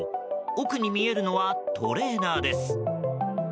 奥に見えるのはトレーナーです。